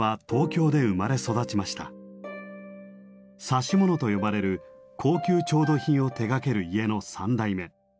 「指物」と呼ばれる高級調度品を手がける家の３代目。